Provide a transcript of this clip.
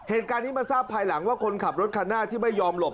เหตุการณ์นี้มาทราบภายหลังว่าคนขับรถคันหน้าที่ไม่ยอมหลบ